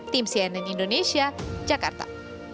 tim cnn indonesia jakarta